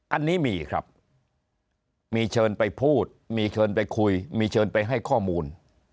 อันนี้มีครับมีเชิญไปพูดมีเชิญไปคุยมีเชิญไปให้ข้อมูล